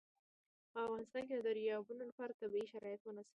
په افغانستان کې د دریابونه لپاره طبیعي شرایط مناسب دي.